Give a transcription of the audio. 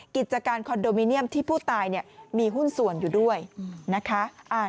กิจการคอนโดมิเนียมที่ผู้ตายมีหุ้นส่วนอยู่ด้วยนะคะ